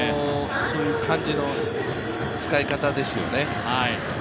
そういう感じの使い方ですよね。